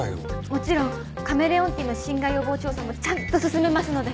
もちろんカメレオンティーの侵害予防調査もちゃんと進めますので。